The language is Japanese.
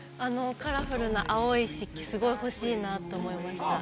◆カラフルな青い漆器、すごい欲しいなと思いました。